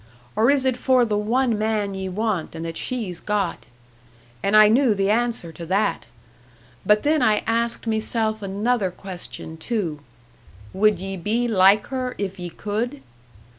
Or is it for the one man ye want, and that she's got? And I knew the answer to that! But then I asked meself another question, too Would ye be like her if ye could?